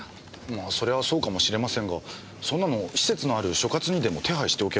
まあそれはそうかもしれませんがそんなの施設のある所轄にでも手配しておけばいいのでは？